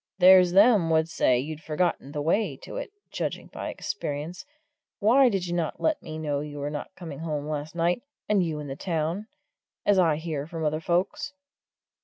"There's them would say you'd forgotten the way to it, judging by experience why did you not let me know you were not coming home last night, and you in the town, as I hear from other folks?"